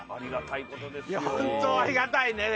いやホントありがたいね。